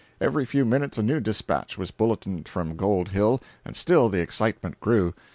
Every few minutes a new dispatch was bulletined from Gold Hill, and still the excitement grew.